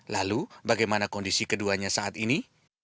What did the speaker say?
lalu bagaimana kondisi keduanya saat ini